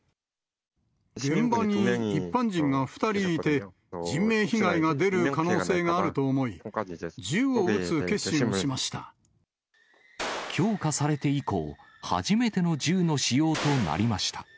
現場に一般人が２人いて、人命被害が出る可能性があると思い、強化されて以降、初めての銃の使用となりました。